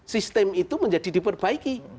sistem itu menjadi diperbaiki